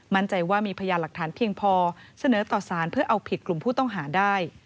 มั่นใจว่ามีพยานหลักฐานเพียงพอเสนอต่อสารเพื่อเอาผิดกลุ่มผู้ต้องหาได้